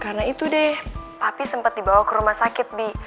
karena itu deh papi sempet dibawa ke rumah sakit bi